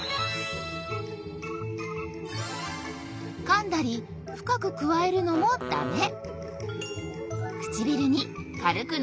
かんだりふかくくわえるのもダメ！